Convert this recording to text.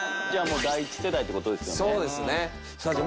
じゃあもう第１世代って事ですよね。